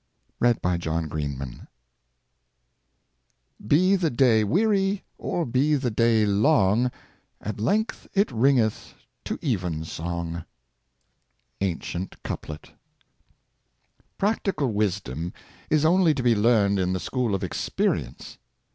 Be the day weary, or be the day long, At length it ringeth to evensong." — Ancient Couplet. RACTICAL wisdom is only to be learned in the school of experience.